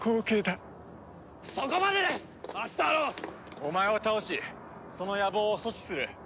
お前を倒しその野望を阻止する。